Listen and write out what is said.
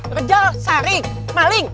kejal saring maling